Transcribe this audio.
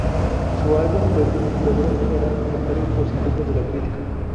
Su álbum debut logró generar comentarios positivos de la crítica.